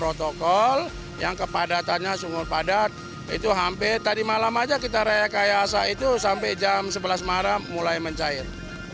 protokol yang kepadatannya sungguh padat itu hampir tadi malam aja kita rekayasa itu sampai jam sebelas malam mulai mencair